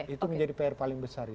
itu menjadi pr paling besar